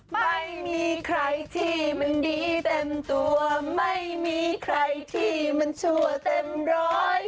ไม่มีใครที่มันดีเต็มตัวไม่มีใครที่มันชั่วเต็มร้อย